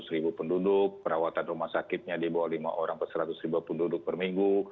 seratus ribu penduduk perawatan rumah sakitnya di bawah lima orang per seratus ribu penduduk per minggu